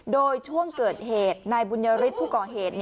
โดยช่วงเกิดเหตุนายบุญยฤทธิ์ผู้ก่อเหตุ